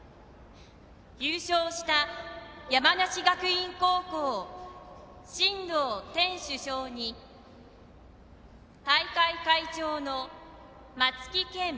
優勝した山梨学院高校進藤天主将に大会会長の松木健